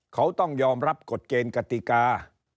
เขาต้องยอมรับกฎเกณฑ์กติกา